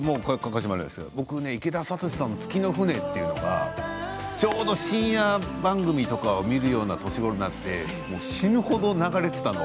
僕、池田聡さんの「月の舟」というのが深夜番組を見るような年頃になって死ぬ程、流れていたの。